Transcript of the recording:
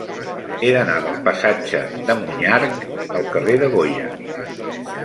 He d'anar del passatge de Monyarc al carrer de Goya.